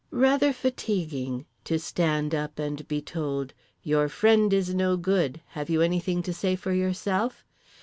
Rather fatiguing—to stand up and be told: Your friend is no good; have you anything to say for yourself?